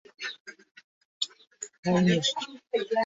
শাড়ি নিয়ে এসেছি।